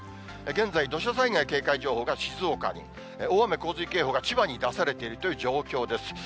現在、土砂災害警戒情報が静岡に、大雨洪水警報が千葉に出されているという状況です。